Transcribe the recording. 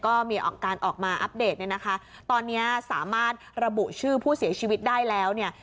ก็มีการออกมาอัปเดตเนี่ยนะคะตอนนี้สามารถระบุชื่อผู้เสียชีวิตได้แล้วเนี่ย